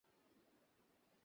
এটা কী দেখাচ্ছ আমাকে তুমি?